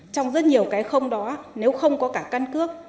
trong rất nhiều cái không đó nếu không có cả căn cước